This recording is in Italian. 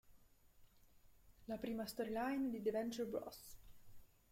La prima storyline di "The Venture Bros.